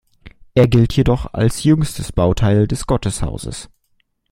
Er gilt jedoch als jüngstes Bauteil des Gotteshauses.